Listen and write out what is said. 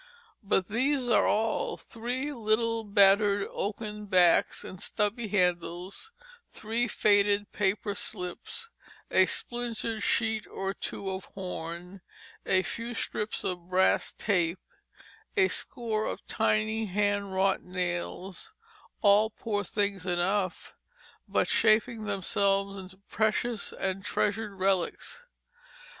But these are all; three little battered oaken backs and stubby handles, three faded paper slips, a splintered sheet or two of horn, a few strips of brass tape, a score of tiny hand wrought nails all poor things enough, but shaping themselves into precious and treasured relics.